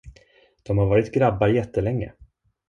De har varit grabbar jättelänge.